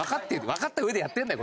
わかったうえでやってんだよ